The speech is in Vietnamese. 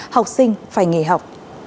học sinh phải nghề học